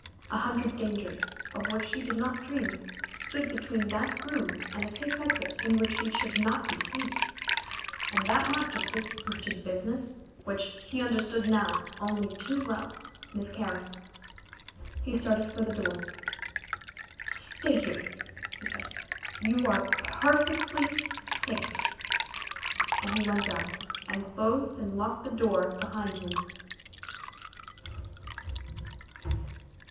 A hundred dangers, of which she did not dream, stood between that room and a safe exit in which she should not be seen, and that much of this wretched business which he understood now only too well miscarry. He started for the door. "Stay here," he said. "You are perfectly safe," and he went out, and closed and locked the door behind him.